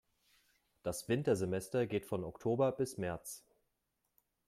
Das Wintersemester geht von Oktober bis März.